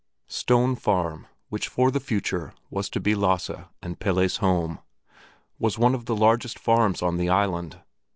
II Stone Farm, which for the future was to be Lasse and Pelle's home, was one of the largest farms on the island.